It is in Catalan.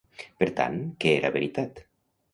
Per tant, què era veritat?